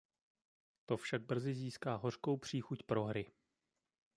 To však brzy získá hořkou příchuť prohry.